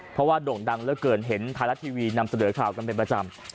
เพราะว่าโด่งดังเหลือเกินเห็นไทยรัฐทีวีนำเสนอข่าวกันเป็นประจำ